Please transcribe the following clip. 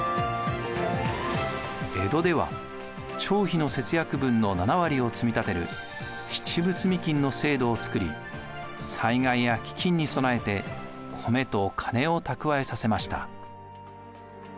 江戸では町費の節約分の７割を積み立てる七分積金の制度を作り災害や飢饉に備えて米と金を蓄えさせました。